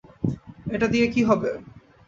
এটা দিয়ে কী হবে?